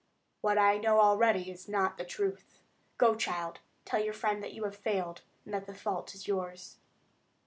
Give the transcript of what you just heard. "What I know already is not the truth. Go, child; tell your friend that you have failed, and that the fault is yours."